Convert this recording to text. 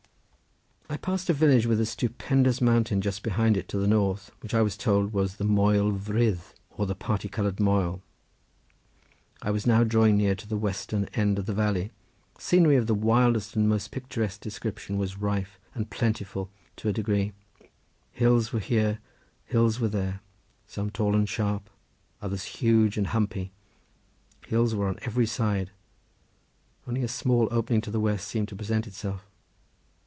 I passed a village with a stupendous mountain just behind it to the north, which I was told was called Moel Vrith or the party coloured moel. I was now drawing near to the western end of the valley. Scenery of the wildest and most picturesque description was rife and plentiful to a degree: hills were here, hills were there; some tall and sharp, others huge and humpy; hills were on every side; only a slight opening to the west seemed to present itself.